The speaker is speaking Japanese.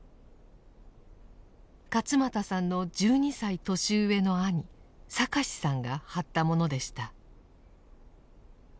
勝又さんの１２歳年上の兄哲さんが貼ったものでした。